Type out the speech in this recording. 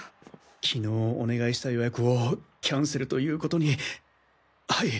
昨日お願いした予約をキャンセルということにはい。